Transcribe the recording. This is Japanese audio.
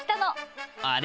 あれ？